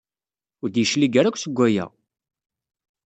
Ur d-yeclig ara akk seg waya!